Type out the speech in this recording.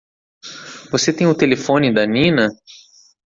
Você tem o telefone da Nina?